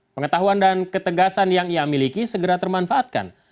pengetahuan dan ketegasan yang ia miliki segera termanfaatkan